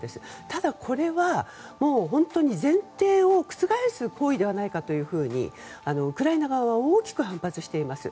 ただ、これは本当に前提を覆す行為ではないかとウクライナ側は大きく反発しています。